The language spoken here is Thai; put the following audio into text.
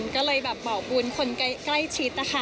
ก็เลยแบบบอกบุญคนใกล้ชิดนะคะ